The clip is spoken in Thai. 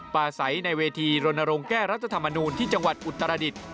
ปลาใสในเวทีรณรงค์แก้รัฐธรรมนูลที่จังหวัดอุตรดิษฐ์